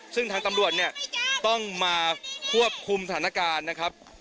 ซึ่งทางตำรวจเนี่ยต้องมาควบคุมสถานการณ์นะครับ